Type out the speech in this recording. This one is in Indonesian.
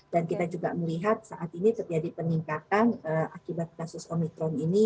dan kita juga melihat saat ini terjadi peningkatan akibat kasus omikron ini